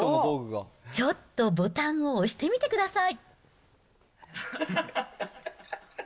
ちょっとボタンを押してみてください。